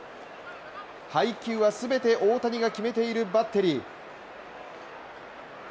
配球は全て大谷が決めているバッテリー。